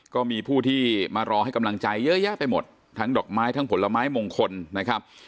ก็มีผู้ที่มารอให้กำลังใจเยอะแยะไปหมดทั้งดอกไม้ทั้งผลไม้มงคลนะครับ